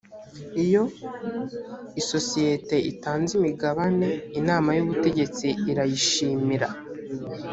iyo isosiyete itanze imigabane inama y’ubutegetsi irayishimira